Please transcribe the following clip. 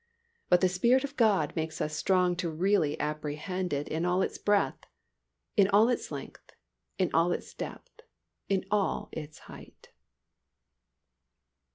But the Spirit of God makes us strong to really apprehend it in all its breadth, in all its length, in all its depth, and in all its height.